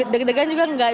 deg degan juga enggak